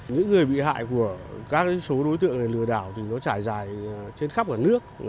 những người bị hại của các số đối tượng lừa đảo trải dài trên khắp cả nước